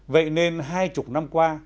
vậy nên hai mươi năm qua